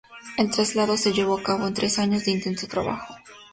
El traslado se llevó a cabo en tres años de intenso trabajo.